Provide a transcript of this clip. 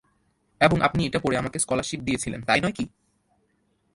এবং আপনি এটা পড়ে আমাকে স্কলারশিপ দিয়েছিলেন, তাই নয় কি?